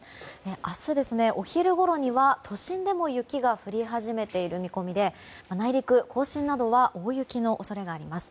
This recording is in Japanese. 明日、お昼ごろには都心でも雪が降り始めてる見込みで内陸、甲信などは大雪の恐れがあります。